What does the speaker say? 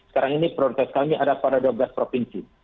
sekarang ini prioritas kami ada pada dua belas provinsi